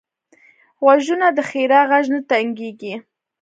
غوږونه د ښیرا غږ نه تنګېږي